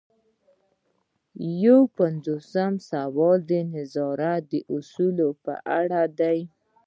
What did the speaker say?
یو پنځوسم سوال د نظارت د اصولو په اړه دی.